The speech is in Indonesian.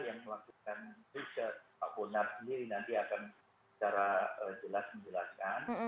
yang melakukan riset pak bonar sendiri nanti akan secara jelas menjelaskan